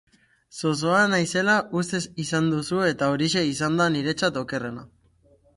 Zozoa naizela uste izan duzu eta horixe izan da niretzat okerrena.